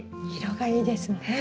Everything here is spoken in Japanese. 色がいいですね。